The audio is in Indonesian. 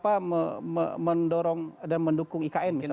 paling depan juga mendorong dan mendukung ikn misalnya